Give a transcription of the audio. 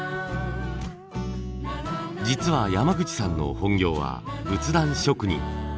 実は山口さんの本業は仏壇職人。